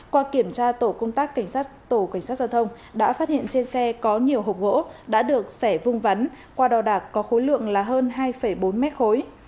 qua kiểm tra tổ cảnh sát giao thông đã phát hiện trên xe có nhiều hộp gỗ đã được xẻ vung vắn qua đò đạc có khối lượng là hơn hai bốn m khối